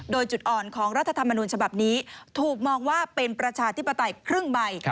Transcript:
โดยจุดอ่อนของรัฐธรรมนูญฉบับนี้ถูกมองว่าเป็นประชาธิปไตยครึ่งใบ